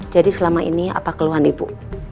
jadi selama ini apa keluhan ibu